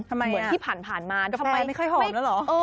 เหมือนที่ผ่านมาก็ทำไมไม่ค่อยหอมแล้วเหรอ